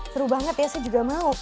seru banget ya saya juga mau